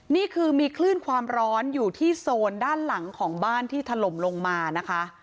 นี่คือมีคลื่นความร้อนอยู่ที่โซนด้านหลังของบ้านที่ถล่มลงมานะคะ